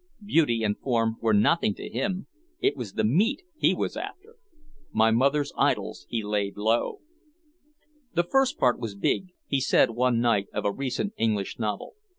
Beauty and form were nothing to him, it was "the meat" he was after. My mother's idols he laid low. "The first part was big," he said one night of a recent English novel.